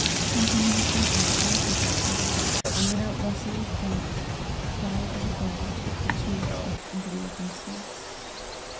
Something in the shrubbery answered her shine, and without rustle of branch, quiet as a ghost, the chief stepped into the open space.